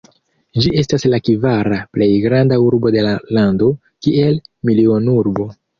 Ĝi estas la kvara plej granda urbo de la lando, kiel milionurbo.